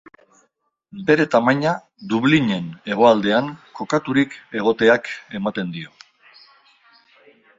Bere tamaina Dublinen hegoaldean kokaturik egoteak ematen dio.